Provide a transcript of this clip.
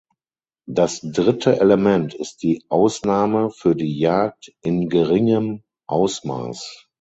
Das dritte Element ist die Ausnahme für die Jagd in geringem Ausmaß.